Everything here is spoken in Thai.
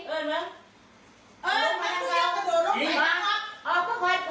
เขานึกแกโด่งจริงแล้วลาก